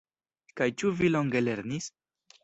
Kaj ĉu vi longe lernis?